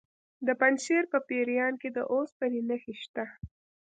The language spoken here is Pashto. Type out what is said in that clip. د پنجشیر په پریان کې د اوسپنې نښې شته.